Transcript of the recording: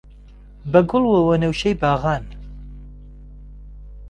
بە گوڵ و وەنەوشەی باغان